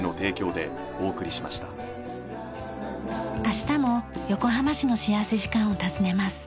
明日も横浜市の幸福時間を訪ねます。